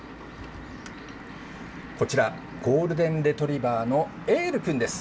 こちら、ゴールデンレトリバーのエール君です。